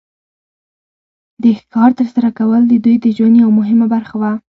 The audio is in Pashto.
د ښکار تر سره کول د دوی د ژوند یو مهمه برخه وه.